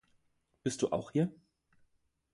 Bist du auch hier?